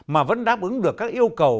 mà vẫn đáp ứng được các yêu cầu